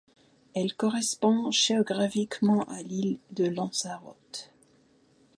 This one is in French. Elle correspond géographiquement à l'ile de Lanzarote.